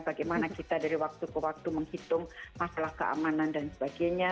bagaimana kita dari waktu ke waktu menghitung masalah keamanan dan sebagainya